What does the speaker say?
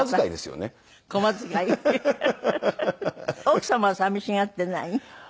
奥様は寂しがっていない？